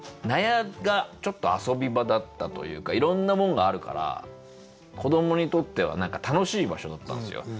納屋がちょっと遊び場だったというかいろんなもんがあるから子どもにとっては何か楽しい場所だったんですよ。